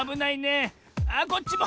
あっこっちも！